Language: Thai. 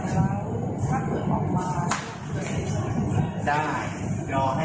ถ้าเผื่อออกมาจะได้ติดต่อได้ไหม